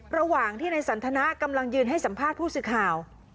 ระหว่างที่ในสันทนากำลังยืนให้สัมภาษณ์ผู้สื่อข่าว